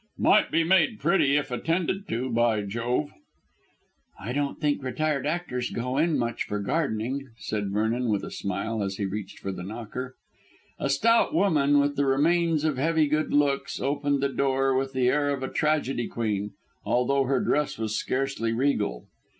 "Might be made pretty if attended to, by jove." "I don't think retired actors go in much for gardening," said Vernon with a smile, as he reached for the knocker. A stout woman, with the remains of heavy good looks, opened the door with the air of a tragedy queen, although her dress was scarcely regal.